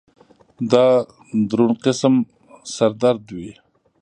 دا درون قسم سر درد وي